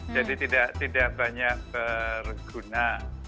jadi tidak banyak berguna